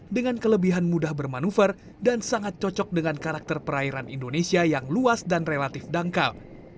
dengan kelebihan mudah bermanuver dan sangat cocok dengan karakter perairan indonesia yang luas dan relatif dangkal